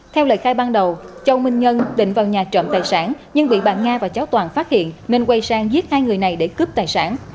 theo lời khai ban đầu châu minh nhân định vào nhà trộm tài sản nhưng bị bà nga và cháu toàn phát hiện nên quay sang giết hai người này để cướp tài sản